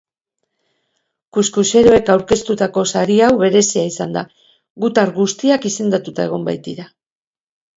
Kuxkuxeroek aurkeztutako sari hau berezia izan da, gutar guztiak izendatuta egon baitira.